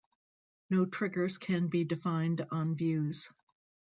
No triggers can be defined on views.